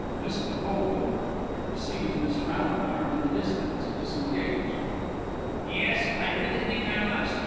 MR. B. (who sees MISS ROUNDARM in the distance, disengaged). Yes, I really think I must